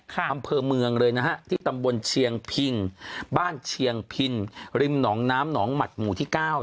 คาว่าบ้านเชียงปินริมหนองน้ำถัวหมู่ที่๙